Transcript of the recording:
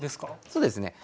そうですね。